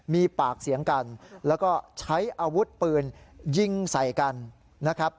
มีปากเสียงกันแล้วก็ใช้อาวุธปืนยิงใส่กันนะครับ